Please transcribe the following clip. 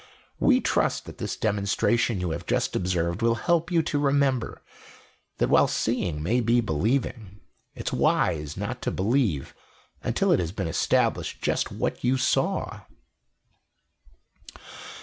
"We trust that this demonstration you have just observed will help you to remember that while seeing may be believing, it's wise not to believe until it has been established just what you saw."